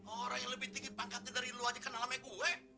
orang yang lebih tinggi pangkatnya dari lo aja kenal sama gue